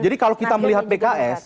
jadi kalau kita melihat pks